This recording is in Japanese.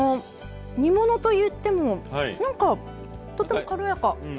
煮物といっても何かとっても軽やか。